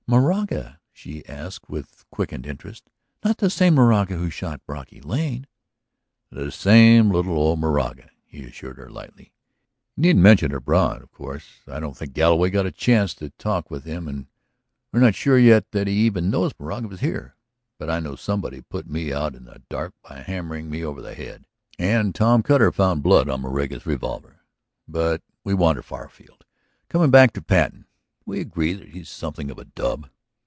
"Moraga?" she asked with quickened interest. "Not the same Moraga who shot Brocky Lane?" "The same little old Moraga," he assured her lightly. "You needn't mention it abroad, of course; I don't think Galloway got a chance to talk with him and we are not sure yet that he even knows Moraga was here. But I know somebody put me out in the dark by hammering me over the head; and Tom Cutter found blood on Moraga's revolver. But we wander far afield. Coming back to Patten, do we agree that he is something of a dub?"